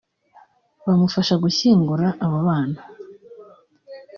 bamufasha gushyingura abo bana